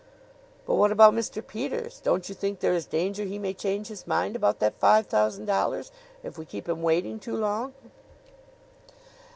"But what about Mr. Peters? Don't you think there is danger he may change his mind about that five thousand dollars if we keep him waiting too long?"